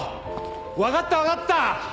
分かった分かった。